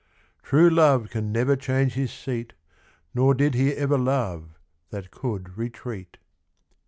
True love can never change his seat ; Nor did he ever love that can retreat.